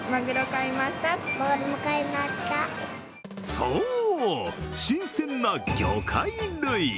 そう、新鮮な魚介類。